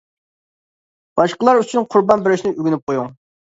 باشقىلار ئۈچۈن قۇربان بېرىشنى ئۆگىنىپ قويۇڭ.